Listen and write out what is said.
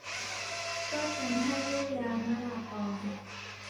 ก็จำให้ลูกยามะลาปอง